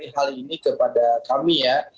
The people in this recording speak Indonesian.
hal ini kepada kami ya